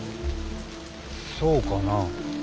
そうかなあ？